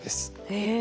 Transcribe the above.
へえ。